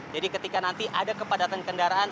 ketika nanti ada kepadatan kendaraan